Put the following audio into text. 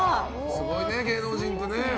すごいね、芸能人ってね。